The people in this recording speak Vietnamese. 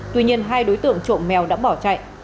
tuy nhiên hai đối tượng trộm mèo đã bỏ chạy